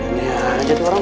ini aja tolong